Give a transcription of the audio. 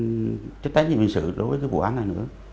cái trách tác nhiệm hình sự đối với cái vụ án này nữa